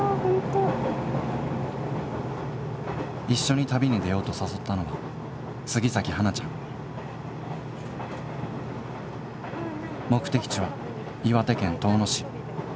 一緒に旅に出ようと誘ったのは杉咲花ちゃん目的地は岩手県遠野市。